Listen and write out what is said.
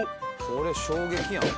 「これ衝撃やん」